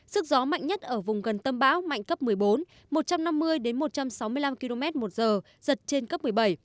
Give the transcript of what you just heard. sức gió mạnh nhất ở vùng gần tâm bão mạnh cấp một mươi bốn một trăm năm mươi một trăm sáu mươi năm km một giờ giật trên cấp một mươi bảy